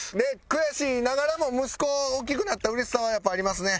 悔しいながらも息子が大きくなった嬉しさはやっぱありますね。